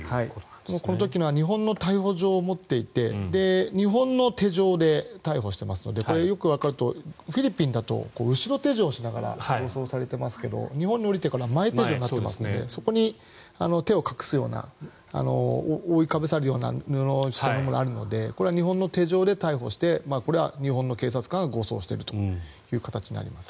この時日本の逮捕状を持っていて日本の手錠で逮捕していますのでよくわかるとおりフィリピンだと後ろ手錠をしながら護送されていますが日本に降りてからは前手錠になっていますのでそこに手を隠すような覆いかぶさるようなものがあるので日本の手錠で逮捕して日本の警察官が護送しているという形になりますね。